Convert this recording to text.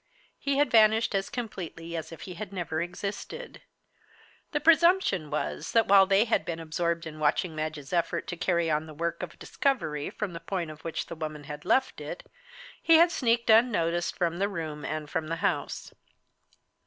He had vanished as completely as if he had never existed. The presumption was, that while they had been absorbed in watching Madge's efforts to carry on the work of discovery from the point at which the woman had left it, he had sneaked, unnoticed, from the room and from the house.